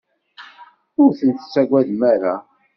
Ur tent-tettagadem ara.